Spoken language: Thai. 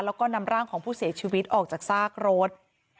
แล้วก็นำร่างของผู้เสียชีวิตออกจากซากรถ